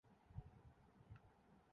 Fiji